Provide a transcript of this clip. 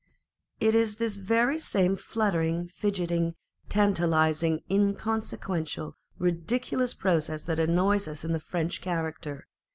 It is the very same fluttering, fidgeting, tanta lising, inconsequential, ridiculous process that annoys us in the French character.